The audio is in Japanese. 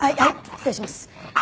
失礼します。